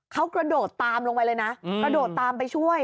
เขากระโดดตามลงไปเลยนะกระโดดตามไปช่วย